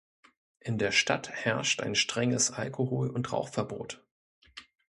In der Stadt herrscht ein strenges Alkohol- und Rauchverbot.